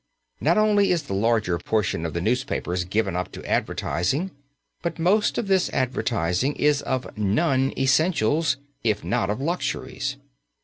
Not only is the larger portion of the newspapers given up to advertising, but most of this advertising is of non essentials, if not of luxuries.